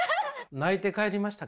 泣いて帰りました。